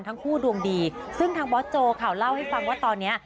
ทั้งคู่ดวงดีซึ่งทางบอสโจค่ะเล่าให้ฟังว่าตอนนี้